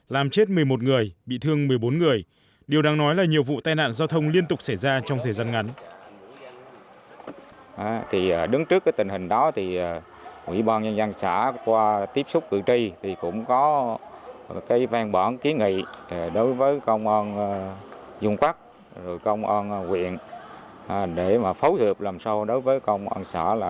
làm chết một mươi một người bị thương một mươi bốn người điều đang nói là nhiều vụ tai nạn giao thông do xe chở răm gây ra trong thời gian ngắn